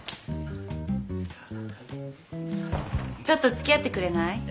ちょっと付き合ってくれない？